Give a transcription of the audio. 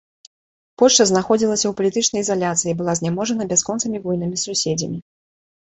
Польшча знаходзілася ў палітычнай ізаляцыі і была зняможана бясконцымі войнамі з суседзямі.